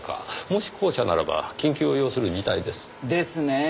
もし後者ならば緊急を要する事態です。ですね。